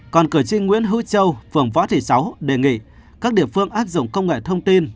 còn cử tri nguyễn hữu châu phường võ thị sáu đề nghị các địa phương áp dụng công nghệ thông tin